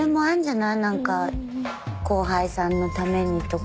なんか後輩さんのためにとか。